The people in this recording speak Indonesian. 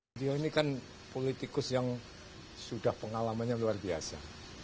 beliau ini kan politikus yang sudah pengalamannya luar biasa